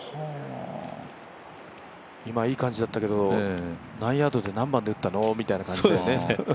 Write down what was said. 今、いい感じだったけど何ヤードで何番で打ったの？みたいなね。